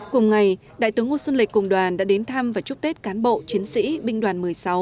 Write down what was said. cùng ngày đại tướng ngô xuân lịch cùng đoàn đã đến thăm và chúc tết cán bộ chiến sĩ binh đoàn một mươi sáu